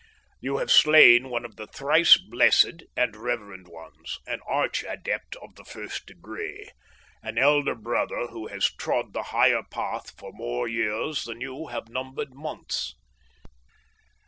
You have slain one of the thrice blessed and reverend ones, an arch adept of the first degree, an elder brother who has trod the higher path for more years than you have numbered months.